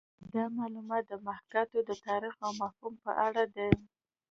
دا معلومات د محاکات د تاریخ او مفهوم په اړه دي